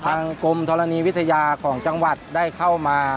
ทางกรมธรณีวิทยาของจังหวัดได้เข้ามา